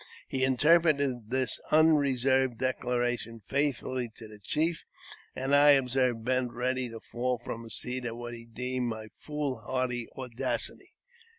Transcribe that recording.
He interpreted this unreserved declaration faithfully to the chief, and I observed Bent ready to fall from his seat at what he deemed my foolhardy audacity.